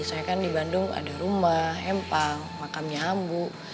soalnya kan di bandung ada rumah hempang makamnya ambu